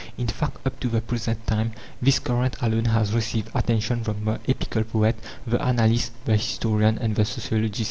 In fact, up to the present time, this current alone has received attention from the epical poet, the annalist, the historian, and the sociologist.